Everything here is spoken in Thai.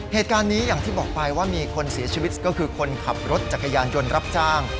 เหตุการณ์นี้อย่างที่บอกไปว่ามีคนเสียชีวิตก็คือคนขับรถจักรยานยนต์รับจ้าง